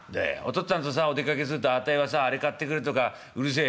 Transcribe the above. っつぁんとさお出かけするとあたいはさあれ買ってくれとかうるせえ？」。